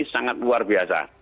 sangat luar biasa